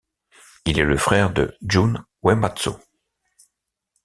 Il est le frère de Jun Uematsu.